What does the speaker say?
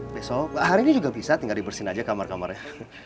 besok hari ini juga bisa tinggal dibersihin aja kamar kamarnya